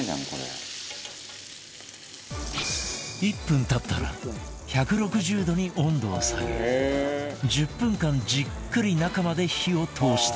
１分経ったら１６０度に温度を下げ１０分間じっくり中まで火を通していく